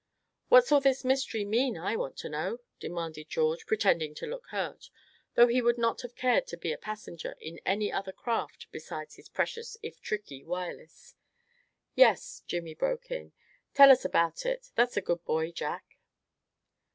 "What's all this mystery mean, I want to know?" demanded George, pretending to look hurt; though he would not have cared to be a passenger on any other craft besides his precious if tricky Wireless. "Yes," Jimmy broke in, "tell us about it, that's a good boy, Jack!"